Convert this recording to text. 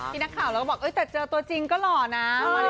ที่นักข่าวเราก็บอกแต่เจอตัวจริงก็หล่อนะ